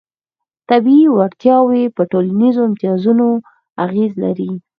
طبیعي وړتیاوې په ټولنیزو امتیازونو اغېز لري.